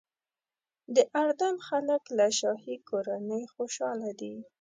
د اردن خلک له شاهي کورنۍ خوشاله دي.